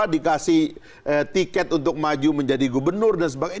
dikasih tiket untuk maju menjadi gubernur dan sebagainya